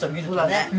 そうだね。